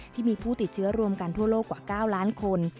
ที่มีผู้ติดเชื้อรวมกันทั่วโลกกว่า๙ล้านคน